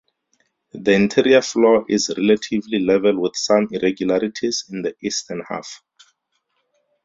The interior floor is relatively level with some irregularities in the eastern half.